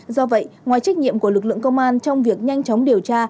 do vậy ngoài trách nhiệm của lực lượng công an trong việc nhanh chóng điều tra